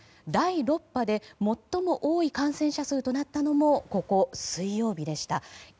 第６波で最も多い感染者数となったのも水曜日でした。